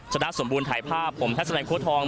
จะน่าสมบูรณ์ถ่ายภาพผมทัศนายโค้ดทอง